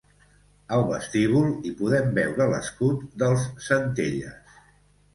Al vestíbul, hi podem veure l'escut dels Centelles.